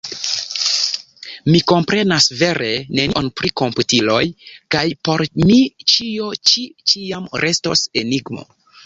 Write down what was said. Mi komprenas vere nenion pri komputiloj, kaj por mi ĉio ĉi ĉiam restos enigmo.